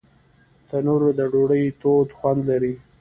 تنور د ډوډۍ تود خوند لري